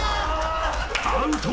アウト！